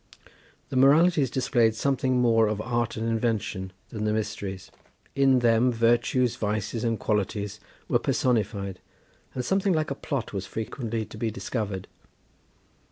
The Moralities displayed something more of art and invention than the Mysteries; in them virtues, vices and qualities were personified, and something like a plot was frequently to be discovered.